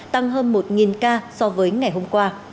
tăng hơn một ca so với ngày hôm qua